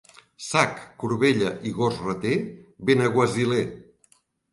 Sac, corbella i gos rater... benaguasiler.